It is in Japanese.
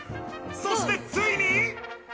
そしてついに。